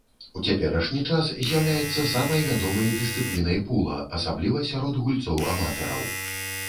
У цяперашні час з'яўляецца самай вядомай дысцыплінай пула, асабліва сярод гульцоў-аматараў.